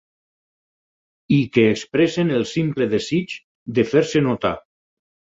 I que expressen el simple desig de fer-se notar.